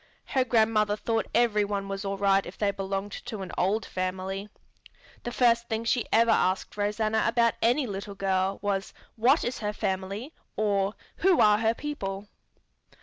Her grandmother thought every one was all right if they belonged to an old family. The first thing she ever asked Rosanna about any little girl was "What is her family?" or "Who are her people?"